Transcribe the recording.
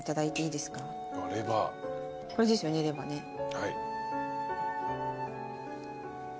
はい。